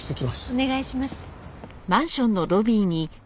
お願いします。